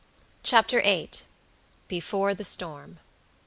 CHAPTER VIII. BEFORE THE STORM.